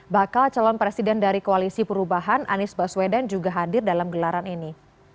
bakal calon presiden dari koalisi perubahan anies baswedan juga hadir dalam gelaran ini